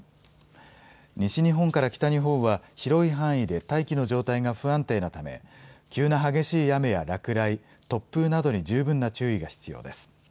西日本から北日本は広い範囲で大気の状態が不安定なため急な激しい雨や落雷、突風などに十分な注意が必要です。